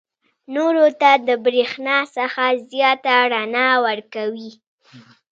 نورو ته د برېښنا څخه زیاته رڼا ورکوي.